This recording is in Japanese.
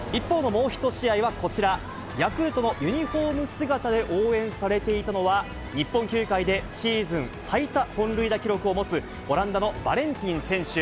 一方のもう１試合は、こちら、ヤクルトのユニホーム姿で応援されていたのは、日本球界でシーズン最多本塁打記録を持つオランダのバレンティン選手。